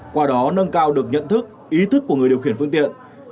qua đó nâng cao được nhận thức ý thức của người điều khiển phương tiện